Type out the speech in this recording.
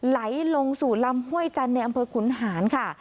ไหลลงสู่ลำห้วยจันทร์ในอำเภอขุนหารค่ะ